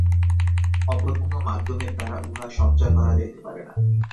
অপর কোন মাধ্যমের দ্বারা উহা সঞ্চার করা যাইতে পারে না।